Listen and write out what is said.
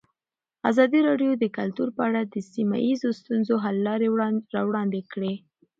ازادي راډیو د کلتور په اړه د سیمه ییزو ستونزو حل لارې راوړاندې کړې.